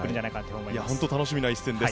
本当、楽しみな一戦です。